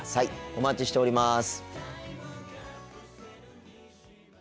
お待ちしております。